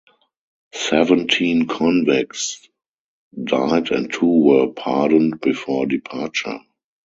Seventeen convicts died and two were pardoned before departure.